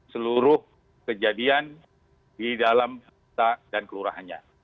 seluruh kejadian di dalam kota dan kelurahannya